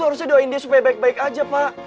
harusnya doain dia supaya baik baik aja pak